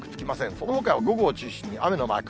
そのほかは午後を中心に雨のマーク。